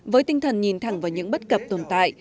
với tinh thần nhìn thẳng vào những bất cập tồn tại